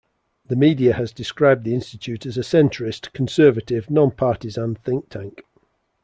The media has described the Institute as a centrist, conservative, non-partisan, think tank.